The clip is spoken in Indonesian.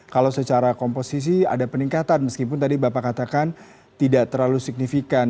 kalau secara komposisi ada peningkatan meskipun tadi bapak katakan tidak terlalu signifikan